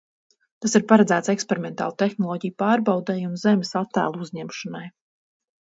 Tas ir paredzēts eksperimentālu tehnoloģiju pārbaudei un Zemes attēlu uzņemšanai.